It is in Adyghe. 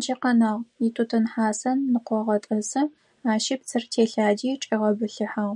Джы къэнагъ: итутын хьасэ ныкъогъэтӀысы, ащи псыр телъади чӀигъэбылъыхьагъ.